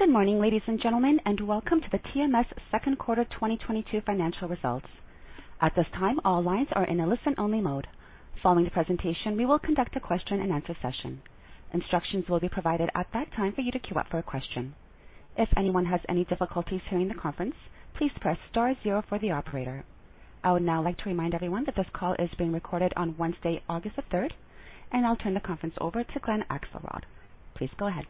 Good morning, ladies and gentlemen, and welcome to the TMS second quarter 2022 financial results. At this time, all lines are in a listen-only mode. Following the presentation, we will conduct a question-and-answer session. Instructions will be provided at that time for you to queue up for a question. If anyone has any difficulties hearing the conference, please press star zero for the operator. I would now like to remind everyone that this call is being recorded on Wednesday, August 3, and I'll turn the conference over to Glen Akselrod. Please go ahead.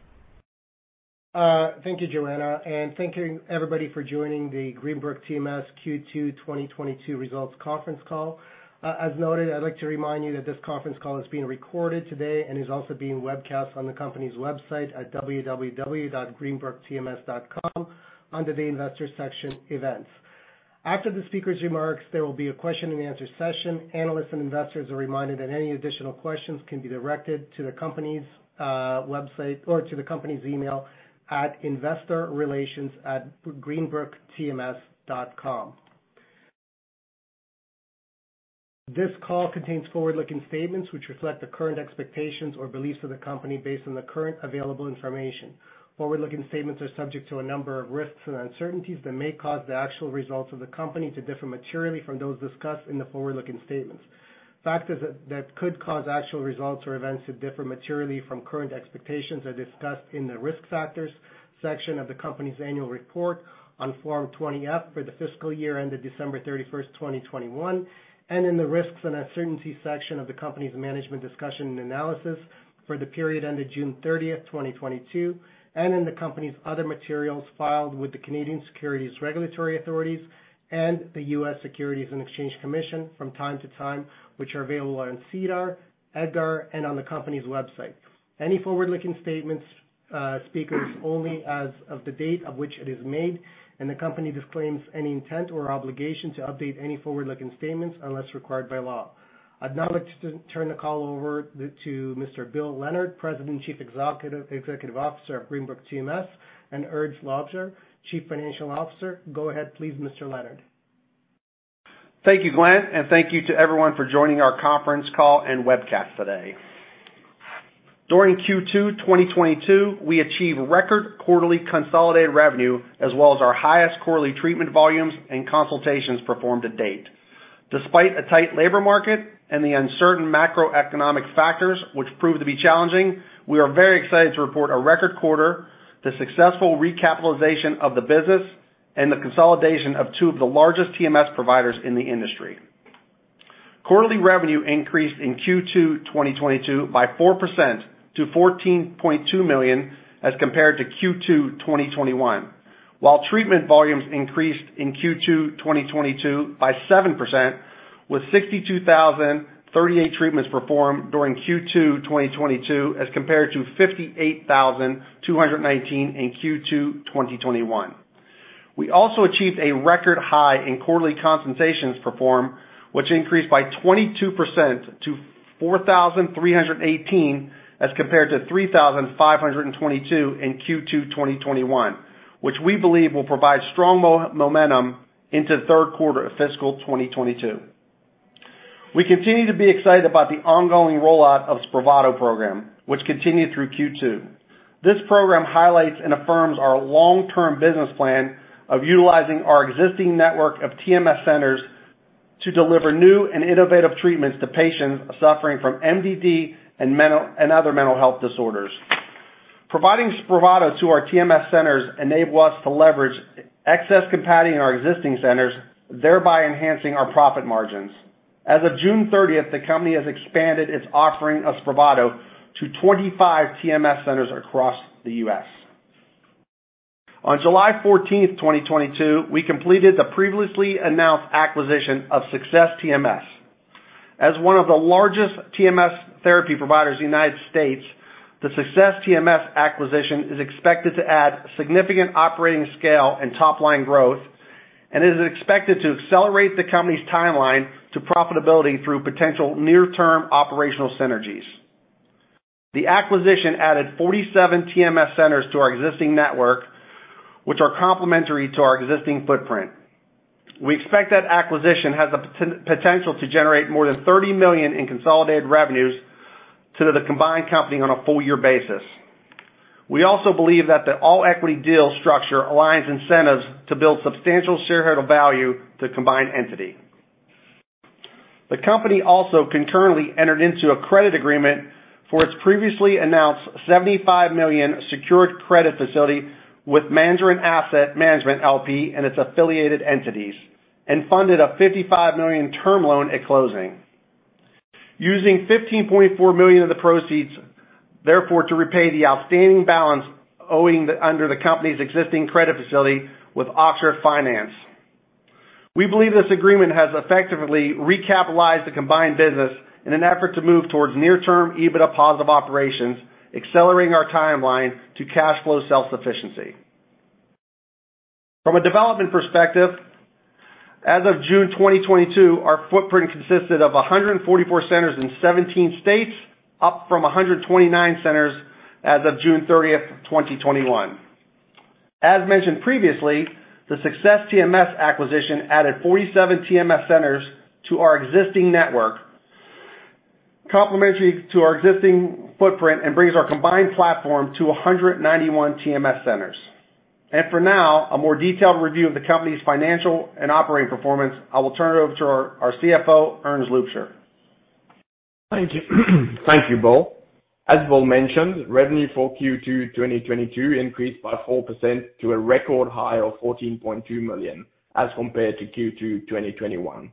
Thank you, Joanna, and thank you everybody for joining the Greenbrook TMS Q2 2022 results conference call. As noted, I'd like to remind you that this conference call is being recorded today and is also being webcast on the company's website at www.greenbrooktms.com under the Investors Section Events. After the speaker's remarks, there will be a question-and-answer session. Analysts and investors are reminded that any additional questions can be directed to the company's website or to the company's email at investorrelations@greenbrooktms.com. This call contains forward-looking statements which reflect the current expectations or beliefs of the company based on the current available information. Forward-looking statements are subject to a number of risks and uncertainties that may cause the actual results of the company to differ materially from those discussed in the forward-looking statements. Factors that could cause actual results or events to differ materially from current expectations are discussed in the Risk Factors section of the company's annual report on Form 20-F for the fiscal year ended December 31, 2021, and in the Risks and Uncertainties section of the company's management discussion and analysis for the period ended June 30, 2022, and in the company's other materials filed with the Canadian securities regulatory authorities and the U.S. Securities and Exchange Commission from time to time, which are available on SEDAR, EDGAR, and on the company's website. Any forward-looking statements speak only as of the date on which they are made, and the company disclaims any intent or obligation to update any forward-looking statements unless required by law. I'd now like to turn the call over to Mr. Bill Leonard, President and Chief Executive Officer of Greenbrook TMS, and Erns Loubser, Chief Financial Officer. Go ahead, please, Mr. Leonard. Thank you, Glen, and thank you to everyone for joining our conference call and webcast today. During Q2 2022, we achieved record quarterly consolidated revenue as well as our highest quarterly treatment volumes and consultations performed to date. Despite a tight labor market and the uncertain macroeconomic factors which proved to be challenging, we are very excited to report a record quarter, the successful recapitalization of the business, and the consolidation of two of the largest TMS providers in the industry. Quarterly revenue increased in Q2 2022 by 4% - $14.2 million as compared to Q2 2021. While treatment volumes increased in Q2 2022 by 7% with 62,038 treatments performed during Q2 2022 as compared to 58,219 in Q2 2021. We also achieved a record high in quarterly consultations performed, which increased by 22% - 4,318 as compared to 3,522 in Q2 2021, which we believe will provide strong momentum into the third quarter of fiscal 2022. We continue to be excited about the ongoing rollout of Spravato program, which continued through Q2. This program highlights and affirms our long-term business plan of utilizing our existing network of TMS centers to deliver new and innovative treatments to patients suffering from MDD and other mental health disorders. Providing Spravato to our TMS centers enable us to leverage excess capacity in our existing centers, thereby enhancing our profit margins. As of June thirtieth, the company has expanded its offering of Spravato to 25 TMS centers across the U.S. On July 14, 2022, we completed the previously announced acquisition of Success TMS. As one of the largest TMS therapy providers in the United States, the Success TMS acquisition is expected to add significant operating scale and top-line growth and is expected to accelerate the company's timeline to profitability through potential near-term operational synergies. The acquisition added 47 TMS centers to our existing network, which are complementary to our existing footprint. We expect that acquisition has the potential to generate more than $30 million in consolidated revenues to the combined company on a full year basis. We also believe that the all-equity deal structure aligns incentives to build substantial shareholder value to the combined entity. The company also concurrently entered into a credit agreement for its previously announced $75 million secured credit facility with Madryn Asset Management, LP and its affiliated entities, and funded a $55 million term loan at closing. Using $15.4 million of the proceeds, therefore, to repay the outstanding balance owing under the company's existing credit facility with Oxford Finance LLC. We believe this agreement has effectively recapitalized the combined business in an effort to move towards near-term EBITDA positive operations, accelerating our timeline to cash flow self-sufficiency. From a development perspective, as of June 2022, our footprint consisted of 144 centers in 17 states, up from 129 centers as of June 30, 2021. As mentioned previously, the Success TMS acquisition added 47 TMS centers to our existing network. Complementary to our existing footprint and brings our combined platform to a 191 TMS centers. For now, a more detailed review of the company's financial and operating performance, I will turn it over to our CFO, Erns Loubser. Thank you. Thank you, Bill. As Bill mentioned, revenue for Q2 2022 increased by 4% to a record high of $14.2 million, as compared to Q2 2021.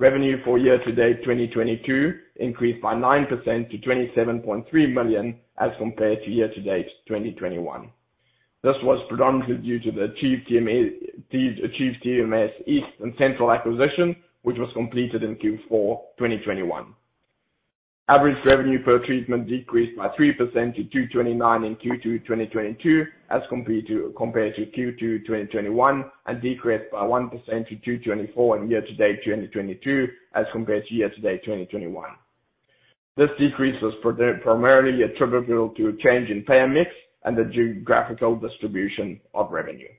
Revenue for year-to-date 2022 increased by 9% - $27.3 million, as compared to year-to-date 2021. This was predominantly due to the Achieve TMS East and Central acquisition, which was completed in Q4 2021. Average revenue per treatment decreased by 3% - $229 in Q2 2022, as compared to Q2 2021, and decreased by 1% - $224 in year-to-date 2022, as compared to year-to-date 2021. This decrease was primarily attributable to a change in payer mix and the geographical distribution of revenue.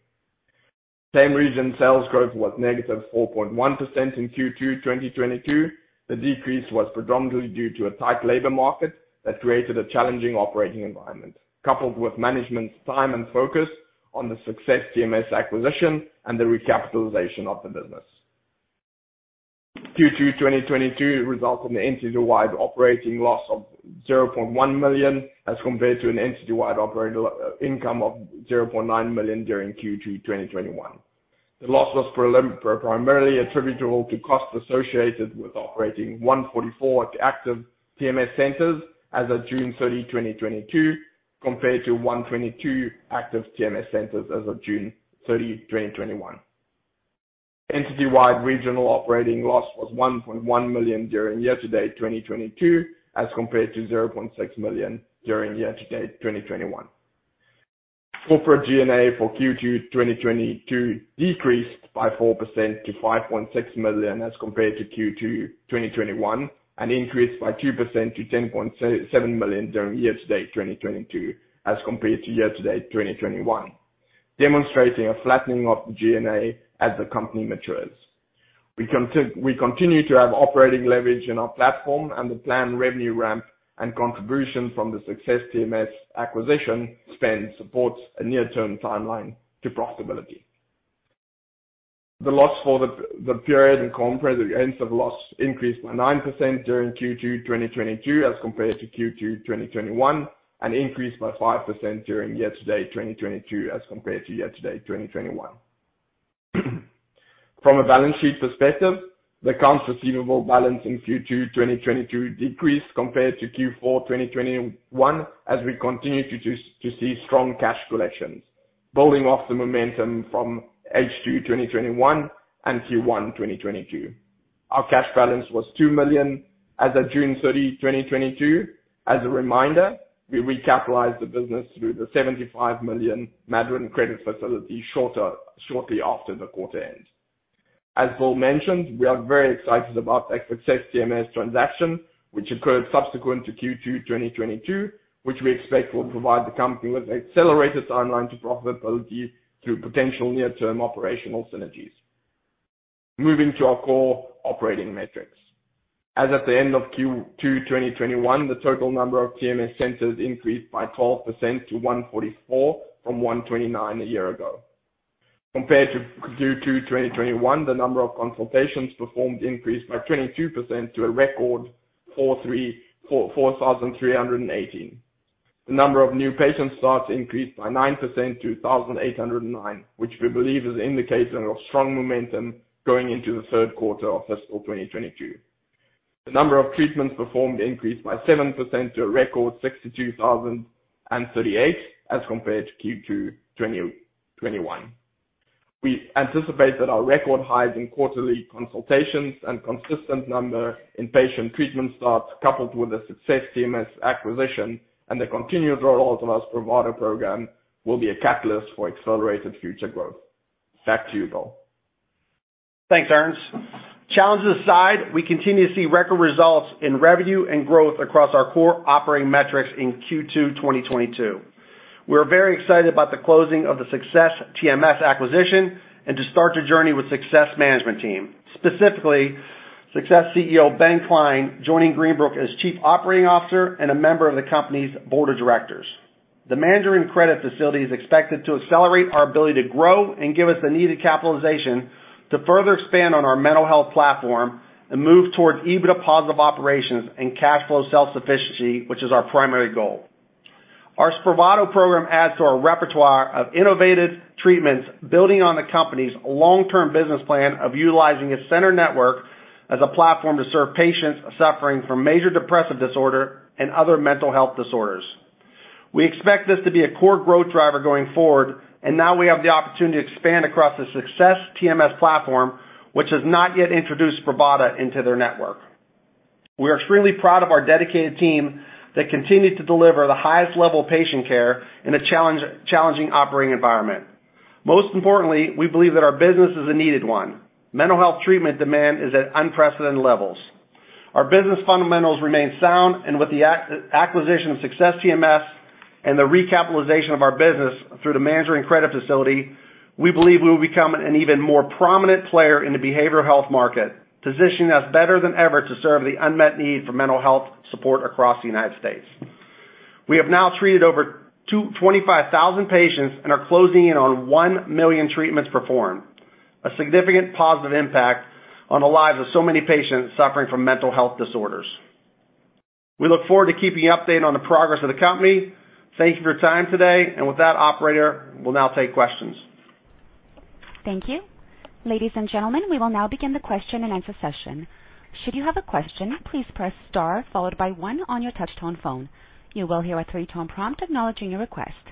Same region sales growth was negative 4.1% in Q2 2022. The decrease was predominantly due to a tight labor market that created a challenging operating environment, coupled with management's time and focus on the Success TMS acquisition and the recapitalization of the business. Q2 2022 results in an entity-wide operating loss of $0.1 million, as compared to an entity-wide operating income of $0.9 million during Q2 2021. The loss was primarily attributable to costs associated with operating 144 active TMS centers as of June 30, 2022, compared to 122 active TMS centers as of June 30, 2021. Entity-wide regional operating loss was $1.1 million during year-to-date 2022, as compared to $0.6 million during year-to-date 2021. Corporate G&A for Q2 2022 decreased by 4% - $5.6 million, as compared to Q2 2021, and increased by 2% - $10.7 million during year-to-date 2022, as compared to year-to-date 2021, demonstrating a flattening of the G&A as the company matures. We continue to have operating leverage in our platform and the planned revenue ramp and contribution from the Success TMS acquisition spend supports a near-term timeline to profitability. The loss for the period compared against the loss increased by 9% during Q2 2022, as compared to Q2 2021, and increased by 5% during year-to-date 2022, as compared to year-to-date 2021. From a balance sheet perspective, the accounts receivable balance in Q2, 2022 decreased compared to Q4, 2021 as we continue to see strong cash collections, building off the momentum from H2, 2021 and Q1, 2022. Our cash balance was $2 million as of June 30, 2022. As a reminder, we recapitalized the business through the $75 million Madryn credit facility shortly after the quarter end. As Bill mentioned, we are very excited about the Success TMS transaction, which occurred subsequent to Q2, 2022, which we expect will provide the company with accelerated timeline to profitability through potential near-term operational synergies. Moving to our core operating metrics. As at the end of Q2, 2021, the total number of TMS centers increased by 12% - 144 from 129 a year ago. Compared to Q2 2021, the number of consultations performed increased by 22% to a record 4,438. The number of new patient starts increased by 9% - 1,809, which we believe is an indicator of strong momentum going into the third quarter of fiscal 2022. The number of treatments performed increased by 7% to a record 62,038 as compared to Q2 2021. We anticipate that our record highs in quarterly consultations and consistent number in patient treatment starts coupled with the Success TMS acquisition and the continued rollout of our Spravato program will be a catalyst for accelerated future growth. Back to you, Bill. Thanks, Erns. Challenges aside, we continue to see record results in revenue and growth across our core operating metrics in Q2, 2022. We're very excited about the closing of the Success TMS acquisition and to start the journey with Success management team, specifically Success CEO Benjamin Klein, joining Greenbrook as Chief Operating Officer and a member of the company's board of directors. The Madryn credit facility is expected to accelerate our ability to grow and give us the needed capitalization to further expand on our mental health platform and move towards EBITDA positive operations and cash flow self-sufficiency, which is our primary goal. Our Spravato program adds to our repertoire of innovative treatments, building on the company's long-term business plan of utilizing a center network as a platform to serve patients suffering from major depressive disorder and other mental health disorders. We expect this to be a core growth driver going forward, and now we have the opportunity to expand across the Success TMS platform, which has not yet introduced Spravato into their network. We are extremely proud of our dedicated team that continued to deliver the highest level patient care in a challenging operating environment. Most importantly, we believe that our business is a needed one. Mental health treatment demand is at unprecedented levels. Our business fundamentals remain sound, with the acquisition of Success TMS and the recapitalization of our business through the Madryn credit facility, we believe we will become an even more prominent player in the behavioral health market, positioning us better than ever to serve the unmet need for mental health support across the United States. We have now treated over 25,000 patients and are closing in on 1 million treatments performed, a significant positive impact on the lives of so many patients suffering from mental health disorders. We look forward to keeping you updated on the progress of the company. Thank you for your time today. With that operator, we'll now take questions. Thank you. Ladies and gentlemen, we will now begin the question-and-answer session. Should you have a question, please press star followed by one on your touch-tone phone. You will hear a three-tone prompt acknowledging your request.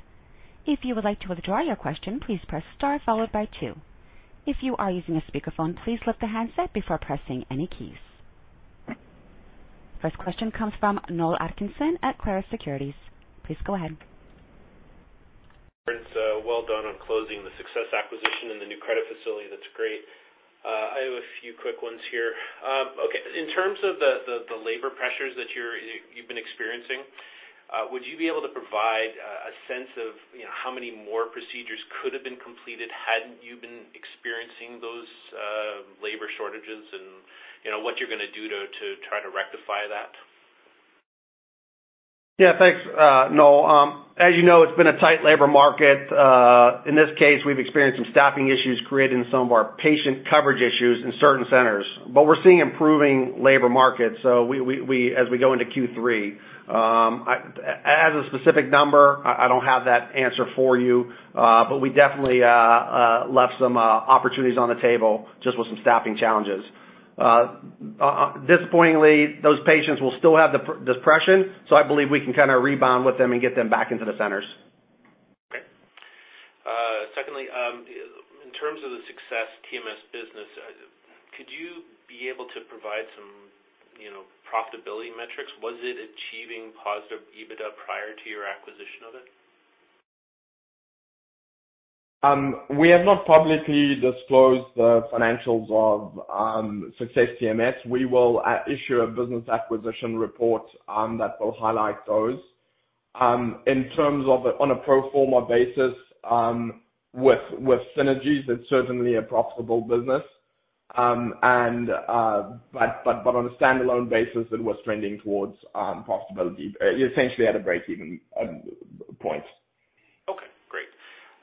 If you would like to withdraw your question, please press star followed by two. If you are using a speakerphone, please lift the handset before pressing any keys. First question comes from Noel Atkinson at Clarus Securities. Please go ahead. It's well done on closing the Success acquisition and the new credit facility. That's great. I have a few quick ones here. Okay. In terms of the labor pressures that you've been experiencing, would you be able to provide a sense of, you know, how many more procedures could have been completed hadn't you been experiencing those labor shortages and, you know, what you're gonna do to try to rectify that? Yeah, thanks, Noel. As you know, it's been a tight labor market. In this case, we've experienced some staffing issues creating some of our patient coverage issues in certain centers. We're seeing improving labor markets, so as we go into Q3. As a specific number, I don't have that answer for you, but we definitely left some opportunities on the table just with some staffing challenges. Disappointingly, those patients will still have depression, so I believe we can kinda rebound with them and get them back into the centers. Okay. Secondly, in terms of the Success TMS business, could you be able to provide some, you know, profitability metrics? Was it achieving positive EBITDA prior to your acquisition of it? We have not publicly disclosed the financials of Success TMS. We will issue a business acquisition report that will highlight those. In terms of on a pro forma basis, with synergies, it's certainly a profitable business. But on a standalone basis, it was trending towards profitability. Essentially at a breakeven point.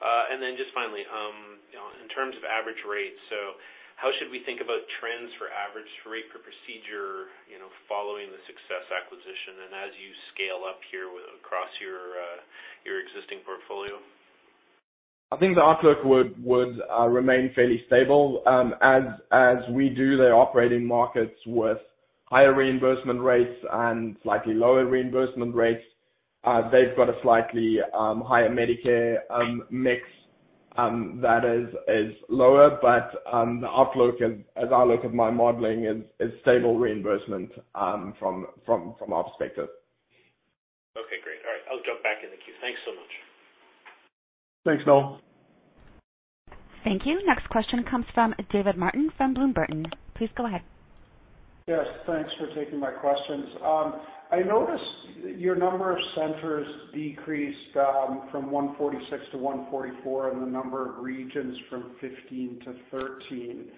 Okay, great. Just finally, you know, in terms of average rates, so how should we think about trends for average rate per procedure, you know, following the Success acquisition and as you scale up here across your existing portfolio? I think the outlook would remain fairly stable. They operate in markets with higher reimbursement rates and slightly lower reimbursement rates. They've got a slightly higher Medicare mix that is lower, but the outlook as I look at my modeling is stable reimbursement from our perspective. Okay, great. All right, I'll jump back in the queue. Thanks so much. Thanks, Noel. Thank you. Next question comes from David Martin from Bloomberg. Please go ahead. Yes, thanks for taking my questions. I noticed your number of centers decreased from 146 - 144, and the number of regions from 15 - 13.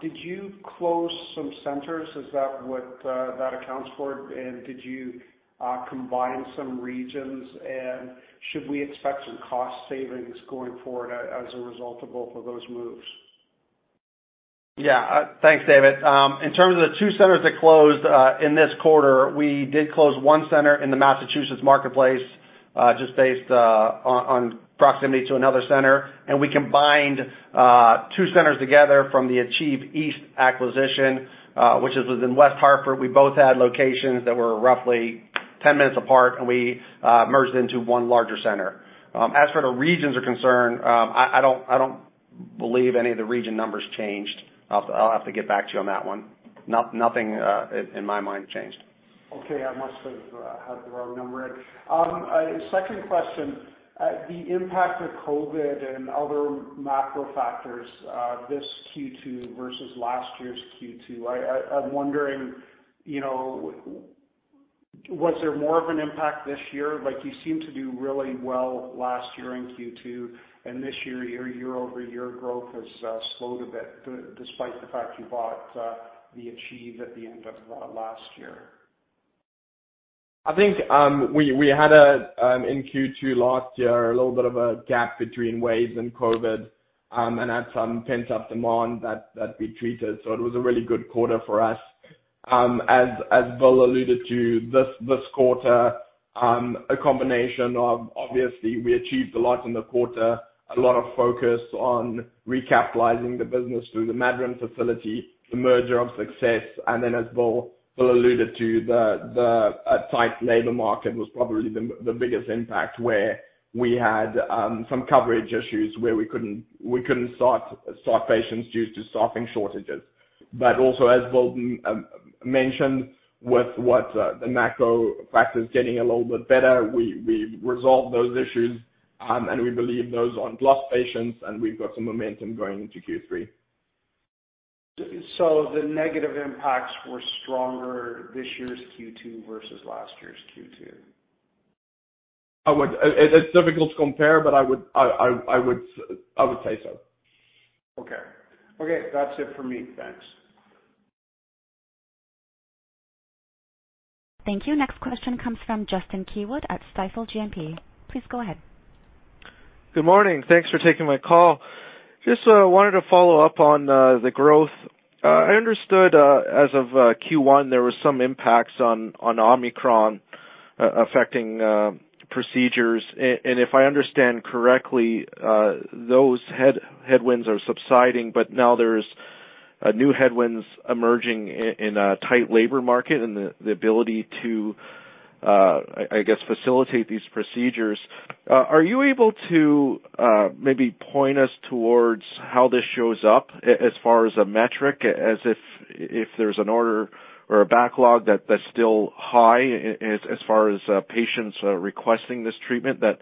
Did you close some centers? Is that what that accounts for? Did you combine some regions? Should we expect some cost savings going forward as a result of both of those moves? Yeah. Thanks, David. In terms of the two centers that closed in this quarter, we did close one center in the Massachusetts marketplace, just based on proximity to another center. We combined two centers together from the Achieve East acquisition, which is within West Hartford. We both had locations that were roughly 10 minutes apart, and we merged into one larger center. As for the regions are concerned, I don't believe any of the region numbers changed. I'll have to get back to you on that one. Nothing in my mind changed. Okay. I must have had the wrong number. Second question. The impact of COVID and other macro factors, this Q2 versus last year's Q2, I'm wondering, you know, was there more of an impact this year? Like, you seemed to do really well last year in Q2, and this year, your year-over-year growth has slowed a bit despite the fact you bought the Achieve at the end of last year. I think we had in Q2 last year a little bit of a gap between waves and COVID and had some pent-up demand that we treated. It was a really good quarter for us. As Bill alluded to, this quarter a combination of obviously we achieved a lot in the quarter, a lot of focus on recapitalizing the business through the Madryn facility, the merger of Success. As Bill alluded to, a tight labor market was probably the biggest impact where we had some coverage issues where we couldn't start patients due to staffing shortages. Also as Bill mentioned, with what the macro practice getting a little bit better, we resolved those issues, and we believe those aren't lost patients, and we've got some momentum going into Q3. The negative impacts were stronger this year's Q2 versus last year's Q2? It's difficult to compare, but I would say so. Okay, that's it for me. Thanks. Thank you. Next question comes from Justin Keywood at Stifel GMP. Please go ahead. Good morning. Thanks for taking my call. Just wanted to follow up on the growth. I understood as of Q1, there was some impacts on Omicron affecting procedures. And if I understand correctly, those headwinds are subsiding, but now there's new headwinds emerging in a tight labor market and the ability to, I guess, facilitate these procedures. Are you able to maybe point us towards how this shows up as far as a metric as if there's an order or a backlog that's still high as far as patients requesting this treatment that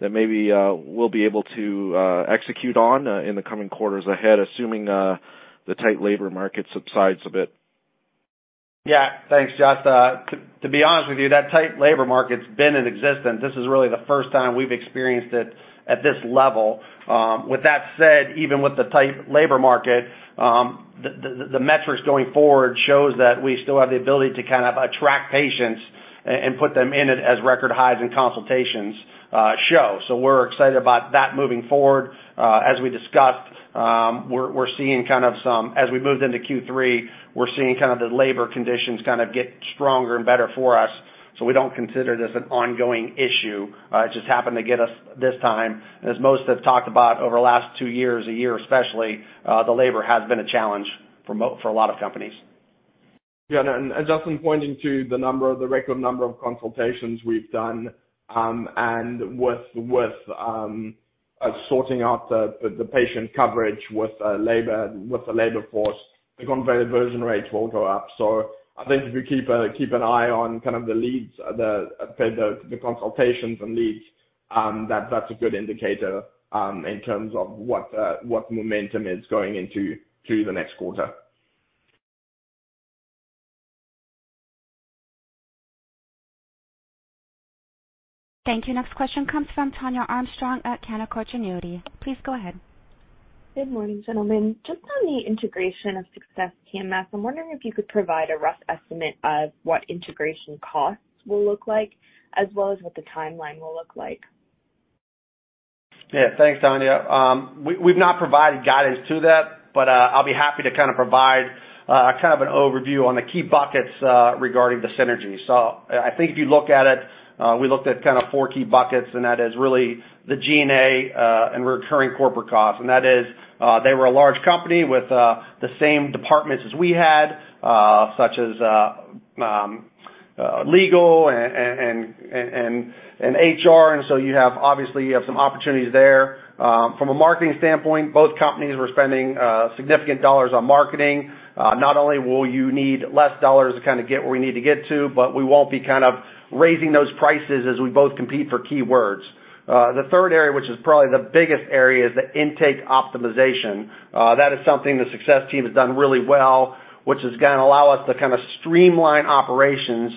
maybe we'll be able to execute on in the coming quarters ahead, assuming the tight labor market subsides a bit? Yeah. Thanks, Justin. To be honest with you, that tight labor market's been in existence. This is really the first time we've experienced it at this level. With that said, even with the tight labor market, the metrics going forward shows that we still have the ability to kind of attract patients and put them in as record highs and consultations show. We're excited about that moving forward. As we discussed, as we moved into Q3, we're seeing kind of the labor conditions kind of get stronger and better for us, so we don't consider this an ongoing issue. It just happened to get us this time. As most have talked about over the last two years, a year especially, the labor has been a challenge for a lot of companies. Justin pointing to the record number of consultations we've done, and with sorting out the patient coverage with labor with the labor force, the conversion rates will go up. I think if you keep an eye on kind of the leads, the consultations and leads, that's a good indicator in terms of what momentum is going into through the next quarter. Thank you. Next question comes from Tania Armstrong-Whitworth at Canaccord Genuity. Please go ahead. Good morning, gentlemen. Just on the integration of Success TMS, I'm wondering if you could provide a rough estimate of what integration costs will look like as well as what the timeline will look like. Yeah. Thanks, Tania. We've not provided guidance to that, but I'll be happy to kind of provide kind of an overview on the key buckets regarding the synergy. I think if you look at it, we looked at kind of four key buckets, and that is really the G&A and recurring corporate costs. That is, they were a large company with the same departments as we had, such as legal and HR. You have, obviously you have some opportunities there. From a marketing standpoint, both companies were spending significant dollars on marketing. Not only will you need less dollars to kind of get where we need to get to, but we won't be kind of raising those prices as we both compete for keywords. The third area, which is probably the biggest area, is the intake optimization. That is something the Success team has done really well, which is gonna allow us to kind of streamline operations,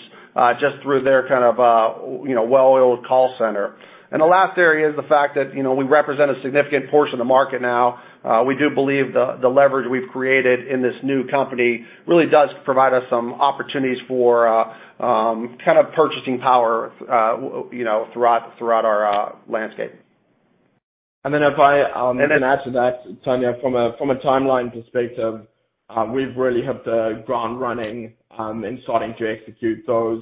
just through their kind of, you know, well-oiled call center. The last area is the fact that, you know, we represent a significant portion of the market now. We do believe the leverage we've created in this new company really does provide us some opportunities for kind of purchasing power, you know, throughout our landscape. If I can add to that, Tania, from a timeline perspective, we've really hit the ground running in starting to execute those.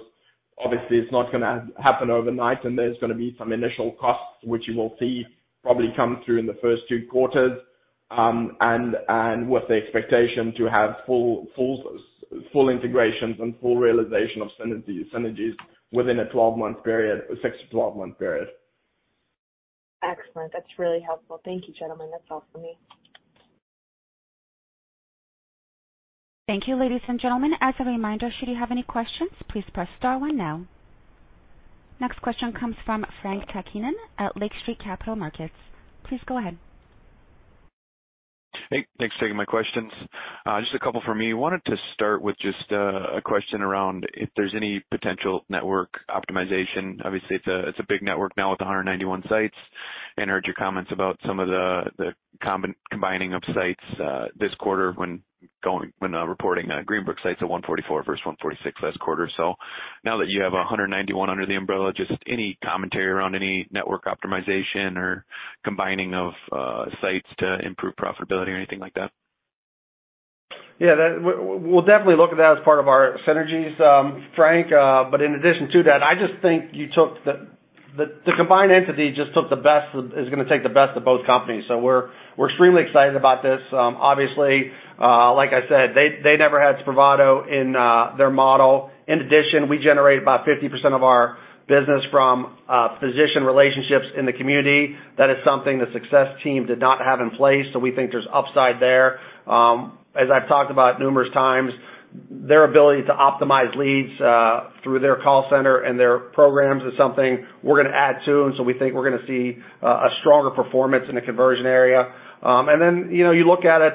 Obviously, it's not gonna happen overnight, and there's gonna be some initial costs, which you will see probably come through in the first two quarters. With the expectation to have full integrations and full realization of synergies within a 12-month period, six months - 12-month period. Excellent. That's really helpful. Thank you, gentlemen. That's all for me. Thank you, ladies and gentlemen. As a reminder, should you have any questions, please press star one now. Next question comes from Frank Takanen at Lake Street Capital Markets. Please go ahead. Hey. Thanks for taking my questions. Just a couple from me. Wanted to start with just a question around if there's any potential network optimization. Obviously, it's a big network now with 191 sites. I heard your comments about some of the combining of sites this quarter when reporting Greenbrook sites at 144 versus 146 last quarter. Now that you have 191 under the umbrella, just any commentary around any network optimization or combining of sites to improve profitability or anything like that? Yeah. We'll definitely look at that as part of our synergies, Frank. In addition to that, I just think the combined entity is gonna take the best of both companies. We're extremely excited about this. Obviously, like I said, they never had Spravato in their model. In addition, we generate about 50% of our business from physician relationships in the community. That is something the Success team did not have in place, so we think there's upside there. As I've talked about numerous times, their ability to optimize leads through their call center and their programs is something we're gonna add to. We think we're gonna see a stronger performance in the conversion area. You know, you look at it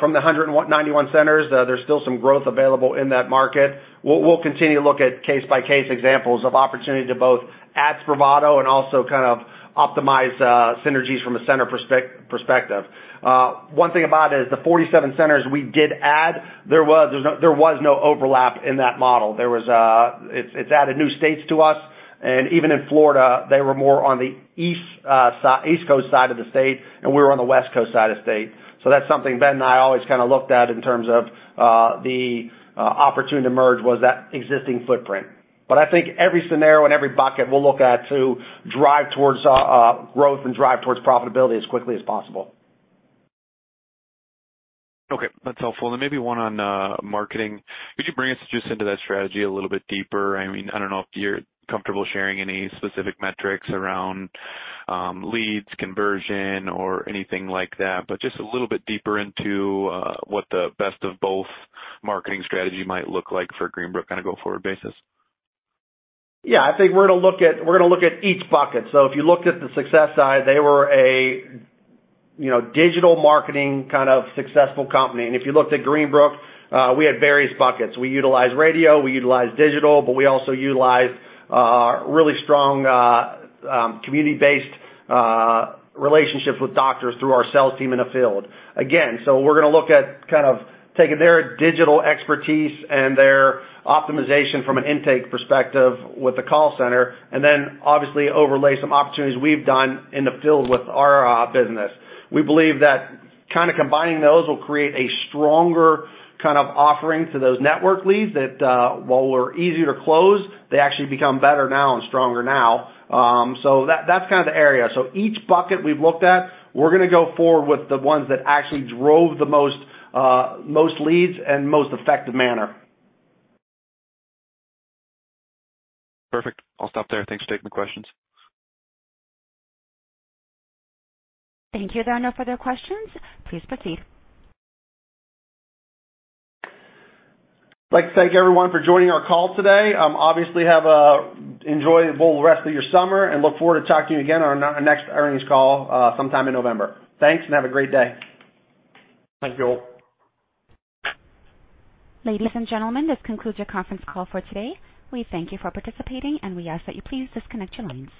from the 91 centers, there's still some growth available in that market. We'll continue to look at case-by-case examples of opportunity to both add Spravato and also kind of optimize synergies from a center perspective. One thing about it is the 47 centers we did add, there was no overlap in that model. It's added new states to us. And even in Florida, they were more on the east coast side of the state, and we were on the west coast side of the state. That's something Ben and I always kinda looked at in terms of the opportunity to merge was that existing footprint. I think every scenario and every bucket we'll look at to drive towards growth and drive towards profitability as quickly as possible. Okay, that's helpful. Maybe one on marketing. Could you bring us just into that strategy a little bit deeper? I mean, I don't know if you're comfortable sharing any specific metrics around leads conversion or anything like that, but just a little bit deeper into what the best of both marketing strategy might look like for Greenbrook kind of go forward basis. I think we're gonna look at each bucket. If you looked at the Success side, they were, you know, digital marketing kind of successful company. If you looked at Greenbrook, we had various buckets. We utilized radio, we utilized digital, but we also utilized really strong community-based relationships with doctors through our sales team in the field. We're gonna look at kind of taking their digital expertise and their optimization from an intake perspective with the call center and then obviously overlay some opportunities we've done in the field with our business. We believe that kinda combining those will create a stronger kind of offering to those network leads that while we're easier to close, they actually become better now and stronger now. That, that's kind of the area. Each bucket we've looked at, we're gonna go forward with the ones that actually drove the most leads and most effective manner. Perfect. I'll stop there. Thanks for taking the questions. Thank you. There are no further questions. Please proceed. I'd like to thank everyone for joining our call today. Obviously, have an enjoyable rest of your summer and look forward to talking to you again on our next earnings call sometime in November. Thanks, and have a great day. Thank you all. Ladies and gentlemen, this concludes your conference call for today. We thank you for participating, and we ask that you please disconnect your lines.